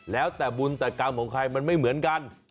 แล้วแต่บุญแต่กรรมของใครมันไม่เหมือนกัน